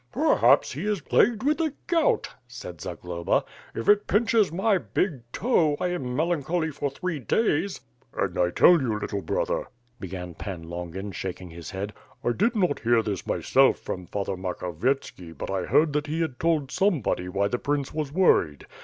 "Perhaps he is plagued with the gout,^ 'said Zagloba. "If it pinches my big toe, I am melancholy for three days." "And I tell you, little brother, "began Pan Longin shaking his head, "I did not hear this myself from Father Makho vietski but I heard that he told somebody why the prince was worried.